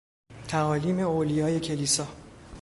تعالیم اولیای کلیسا